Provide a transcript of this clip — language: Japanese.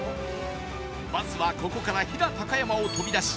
バスはここから飛騨高山を飛び出し